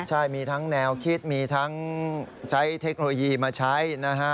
ใช่มีทั้งแนวคิดมีทั้งใช้เทคโนโลยีมาใช้นะฮะ